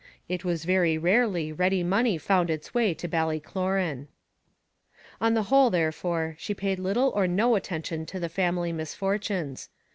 It was very rarely ready money found its way to Ballycloran. On the whole, therefore, she paid little or no attention to the family misfortunes.